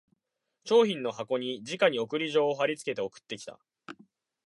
商品の箱にじかに送り状を張りつけて送ってきた